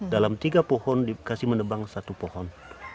dalam tiga pohon dikasih menebang satu pohon